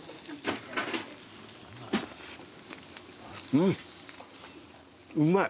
うんうまい。